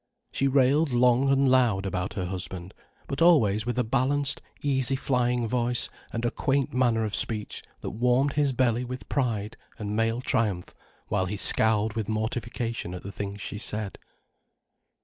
She railed long and loud about her husband, but always with a balanced, easy flying voice and a quaint manner of speech that warmed his belly with pride and male triumph while he scowled with mortification at the things she said.